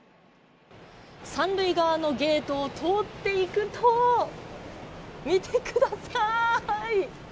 三塁側のゲートを通っていくと見てください！